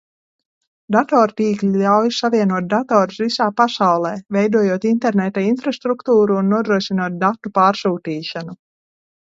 Datortīkli ļauj savienot datorus visā pasaulē, veidojot interneta infrastruktūru un nodrošinot datu pārsūtīšanu.